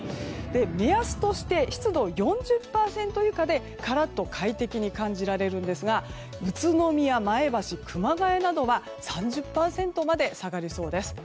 目安として、湿度４０％以下でカラッと快適に感じられるんですが宇都宮、前橋、熊谷などは３０％まで下がりそうです。